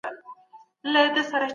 مجلس څنګه ډاډ ورکوي؟